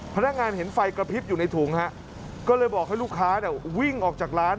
พนักงานเห็นไฟกระพริบอยู่ในถุงฮะก็เลยบอกให้ลูกค้าเนี่ยวิ่งออกจากร้าน